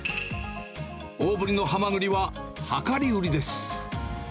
大ぶりのハマグリは量り売りです。